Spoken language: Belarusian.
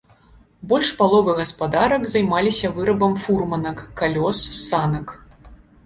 Больш паловы гаспадарак займаліся вырабам фурманак, калёс, санак.